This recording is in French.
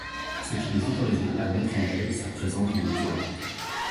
Ce qui les autorisait à mettre en jeu sa présence dans le Zohar.